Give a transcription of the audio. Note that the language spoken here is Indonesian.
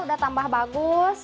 udah tambah bagus